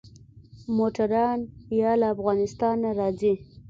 موټران يا له افغانستانه راځي.